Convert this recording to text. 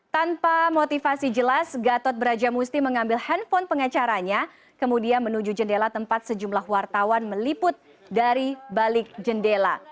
tanpa motivasi jelas gatot brajamusti mengambil handphone pengacaranya kemudian menuju jendela tempat sejumlah wartawan meliput dari balik jendela